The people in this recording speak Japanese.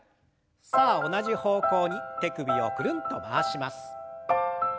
さあ同じ方向に手首をくるんと回します。